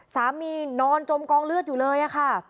สามีนอนจมกองเลือดอยู่เลยอ่ะค่ะ